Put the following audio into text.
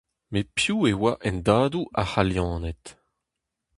Met piv e oa hendadoù ar C'halianed ?